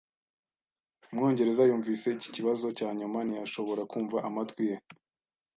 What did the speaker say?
Umwongereza yumvise iki kibazo cyanyuma, ntiyashobora kumva amatwi ye.